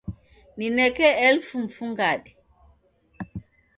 Nineke elfu mfungade